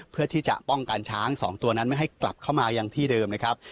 เพื่อที่จะป้องกันช้าง๒ตัวนั้นไม่ให้กลับเข้ามายังที่เดิมนะครับ